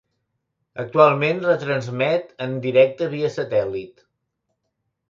Actualment retransmet en directe via satèl·lit.